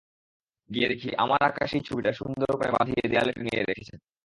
গিয়ে দেখি আমার আঁকা সেই ছবিটা সুন্দর করে বাঁধিয়ে দেয়ালে টাঙিয়ে রেখেছেন।